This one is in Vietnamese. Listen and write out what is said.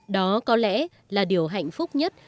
đó có lẽ là điều hạnh phúc nhất